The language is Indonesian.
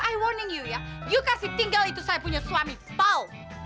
i warning you ya yuk kasih tinggal itu saya punya suami paul